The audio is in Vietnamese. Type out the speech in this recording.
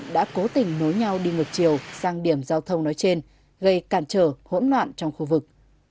đã cố tình nối nhau đi ngược chiều sang điểm giao thông nói trên gây cản trở hỗn loạn trong khu vực